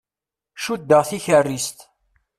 Cuddeɣ tikerrist.